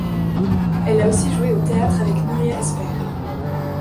Elle a aussi joué au théâtre avec Núria Espert.